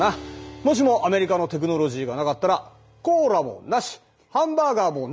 もしもアメリカのテクノロジーがなかったらコーラもなしハンバーガーもなし！